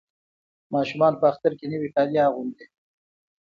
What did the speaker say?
ماشومان په اختر کې نوي کالي اغوندي.